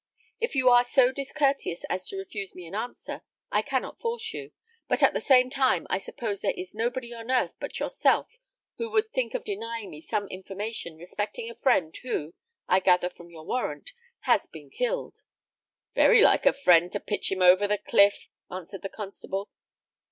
If you are so discourteous as to refuse me an answer, I cannot force you; but at the same time I suppose there is nobody on earth but yourself who would think of denying me some information respecting a friend who, I gather from your warrant, has been killed." "Very like a friend to pitch him over the cliff!" answered the constable.